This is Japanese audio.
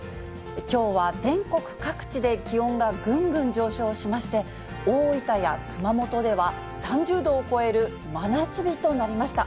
きょうは全国各地で気温がぐんぐん上昇しまして、大分や熊本では、３０度を超える真夏日となりました。